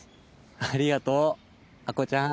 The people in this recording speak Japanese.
ありがとう亜子ちゃん。